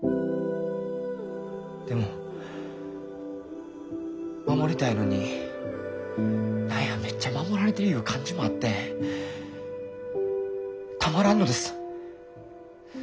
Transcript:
でも守りたいのに何やめっちゃ守られてるいう感じもあってたまらんのです。